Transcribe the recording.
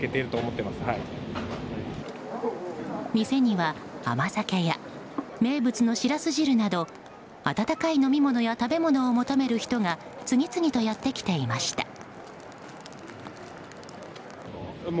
店には甘酒や名物のシラス汁など温かい飲み物や食べ物を求める人が次々とやってきていました。